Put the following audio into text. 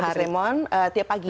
oke terus lemon tiap pagi